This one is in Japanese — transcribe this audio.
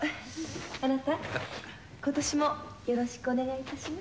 あなたことしもよろしくお願いいたします。